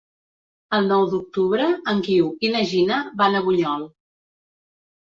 El nou d'octubre en Guiu i na Gina van a Bunyol.